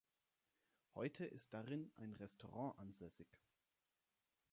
Heute ist darin ein Restaurant ansässig.